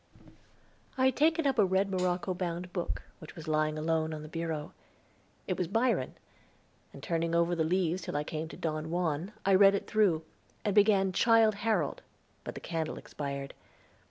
I had taken up a red morocco bound book, which was lying alone on the bureau. It was Byron, and turning over the leaves till I came to Don Juan, I read it through, and began Childe Harold, but the candle expired.